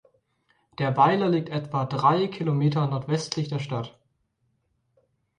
Der Weiler liegt etwa drei km nordwestlich der Stadt.